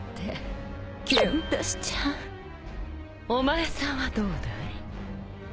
お前さんはどうだい？